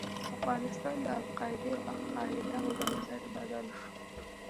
افغانستان د القاعدې په قاعده او بنسټ بدل شو.